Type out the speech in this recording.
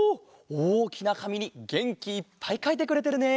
おおきなかみにげんきいっぱいかいてくれてるね。